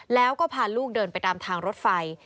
แล้วก็พาลูกเดินไปตามทางรถไฟ